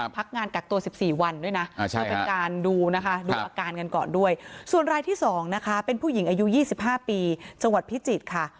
พักงานกักตัว๑๔วันด้วยนะเพื่อเป็นการดูนะคะดูอาการกันก่อนด้วยส่วนรายที่๒นะคะเป็นผู้หญิงอายุ๒๕ปีจังหวัดพิจิตรค่ะ